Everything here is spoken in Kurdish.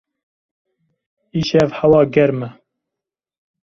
Îşev hewa germ e.